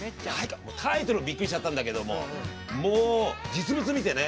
タイトルにびっくりしちゃったんだけどももう実物見てね